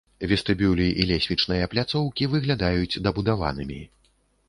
Вестыбюлі і лесвічныя пляцоўкі выглядаюць дабудаванымі.